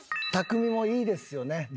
たくみもいいですよね。